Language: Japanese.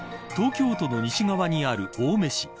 東京都の西側にある青梅市。